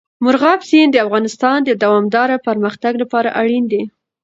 مورغاب سیند د افغانستان د دوامداره پرمختګ لپاره اړین دی.